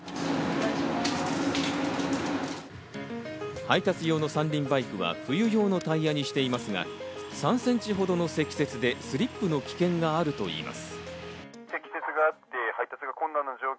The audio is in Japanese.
配達用の３輪バイクは冬用のタイヤにしていますが、３センチほどの積雪でスリップの危険があるといいます。